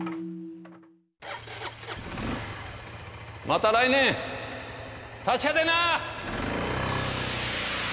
また来年達者でな！